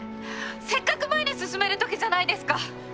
せっかく前に進める時じゃないですか。